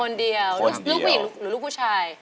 คนเดียวลูกผู้หญิงหรือลูกผู้ชาย